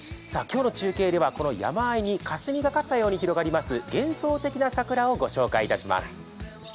今日の中継では山あいにかすみがかったように広がる幻想的な桜を御紹介いたします。